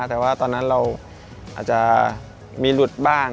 แต่ว่าตอนนั้นเราอาจจะมีหลุดบ้าง